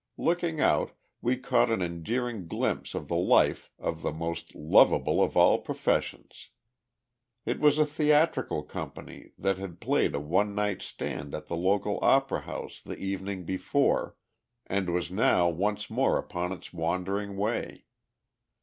Looking out, we caught an endearing glimpse of the life of the most lovable of all professions. It was a theatrical company that had played a one night stand at the local opera house the evening before, and was now once more upon its wandering way.